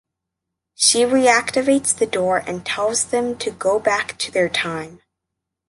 She reactivates the door and tells them to go back to their time.